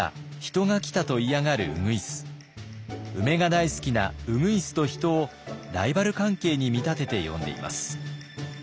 梅が大好きな鶯と人をライバル関係に見立てて詠んでいます。